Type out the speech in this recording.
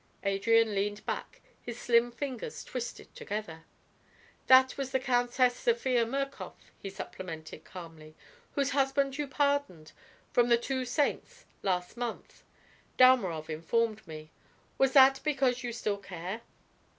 Adrian leaned back, his slim fingers twisted together. "That was the Countess Sophia Mirkoff," he supplemented calmly, "whose husband you pardoned from the Two Saints last month; Dalmorov informed me. Was that because you still care?"